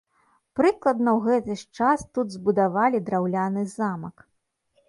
Прыкладна ў гэты ж час тут збудавалі драўляны замак.